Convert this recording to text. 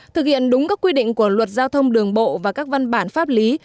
thực hiện đúng các quy định của luật giao thông đường bộ và các văn bản pháp lý